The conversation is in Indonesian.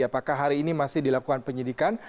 apakah hari ini masih dilakukan penyidikan